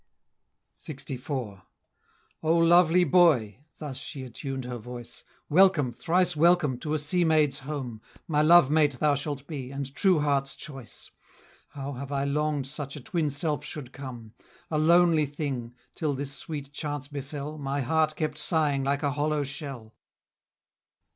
LXIV. "O lovely boy!" thus she attuned her voice, "Welcome, thrice welcome, to a sea maid's home, My love mate thou shalt be, and true heart's choice; How have I long'd such a twin self should come, A lonely thing, till this sweet chance befell, My heart kept sighing like a hollow shell."